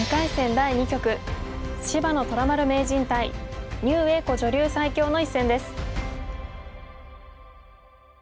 第２局芝野虎丸名人対牛栄子女流最強の一戦です。